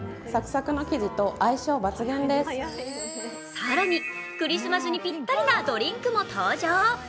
更に、クリスマスにぴったりなドリンクも登場。